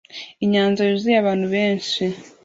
inyanja yuzuye abantu benshi